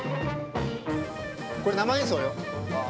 これ、生演奏よ。